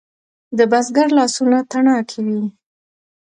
د بزګر لاسونه تڼاکې وي.